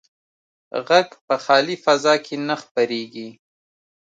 غږ په خالي فضا کې نه خپرېږي.